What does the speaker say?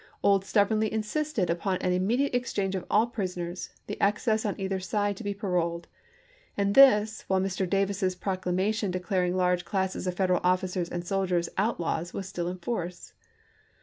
Ould stubbornly insisted upon an immediate exchange of all prisoners, the excess on either side to be paroled ; and this, while Mr. Davis's proclamation declaring large classes of Federal officers and sol diers outlaws was still in force.